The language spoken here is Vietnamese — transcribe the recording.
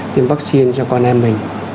tìm vaccine cho con em mình